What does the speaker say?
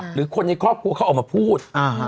หรือคนในครอบครัวเขาออกมาพูด